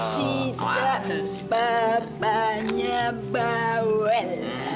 sita bapaknya bawel